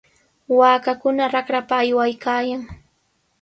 Waakakuna raqrapa aywaykaayan.